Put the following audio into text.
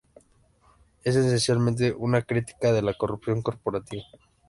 Es esencialmente una crítica de la corrupción corporativa.